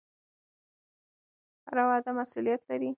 هره وعده مسوولیت لري